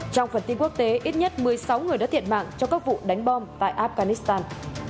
trong phần tin quốc tế ít nhất một mươi sáu người đã thiệt mạng trong các vụ đánh bom tại afghanistan